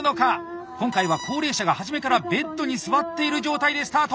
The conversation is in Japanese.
今回は高齢者が初めからベッドに座っている状態でスタート！